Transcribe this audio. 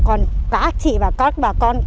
còn có các chị và các bà con